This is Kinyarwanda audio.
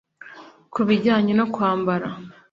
Ku bijyanye no kwambara